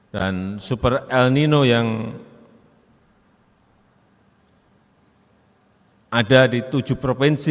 dan super el nino yang ada di tujuh provinsi